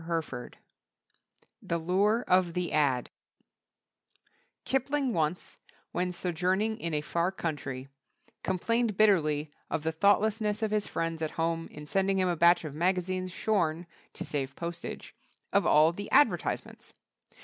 THE LURE OF THE "AD" Kipling once, when sojourning in a far country, complained bitterly of the thoughtlessness of his friends at home in sending him a batch of magazines shorn (to save postage) of all the advertisements.